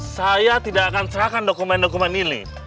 saya tidak akan serahkan dokumen dokumen ini